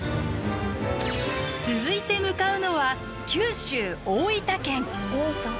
続いて向かうのは九州大分県。